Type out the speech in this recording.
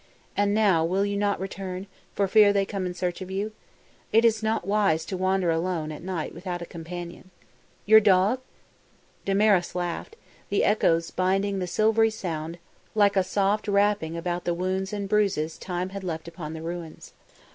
And now will you not return, for fear they come in search of you? It is not wise to wander alone, at night, without a companion. Your dog ?" Damaris laughed, the echoes binding the silvery sound like a soft wrapping about the wounds and bruises Time had left upon the ruins.